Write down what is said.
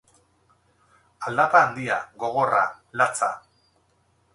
Aldapa handia, gogorra, latza.